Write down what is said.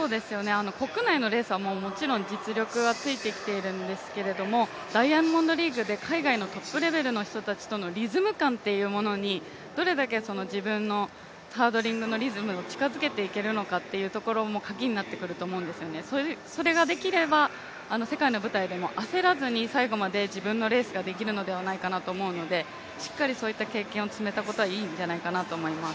国内のレースはもちろん実力はついてきているんですがダイヤモンドリーグで海外のトップレベルの人たちとのリズム感というものにどれだけ自分のハードリングのリズムを近づけていけるかどうかがカギになってくると思うんですよね、それができれば世界の舞台でも焦らずに最後まで自分のレースができるのではないかなと思うので、しっかりとそういった経験が積めたことはいいんじゃないかなと思います。